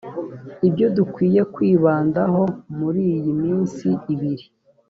ibyo dukwiye kwibandaho muri iyi iminsi ibiri